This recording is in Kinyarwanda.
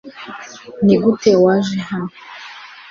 nigute waje hano